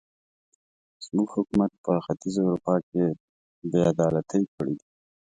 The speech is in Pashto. زموږ حکومت په ختیځه اروپا کې بې عدالتۍ کړې دي.